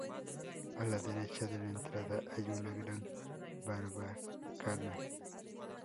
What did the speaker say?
A la derecha de la entrada hay una gran barbacana.